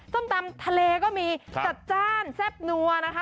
ส้มตำทะเลก็มีจัดจ้านแซ่บนัวนะคะ